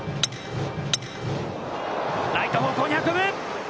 ライト方向に運ぶ！